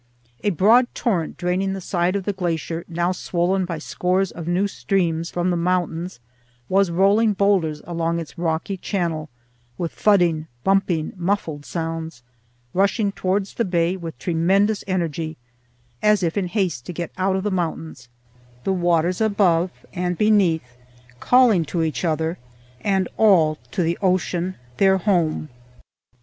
A broad torrent, draining the side of the glacier, now swollen by scores of new streams from the mountains, was rolling boulders along its rocky channel, with thudding, bumping, muffled sounds, rushing towards the bay with tremendous energy, as if in haste to get out of the mountains; the waters above and beneath calling to each other, and all to the ocean, their home.